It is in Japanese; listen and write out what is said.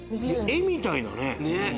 絵みたいだね。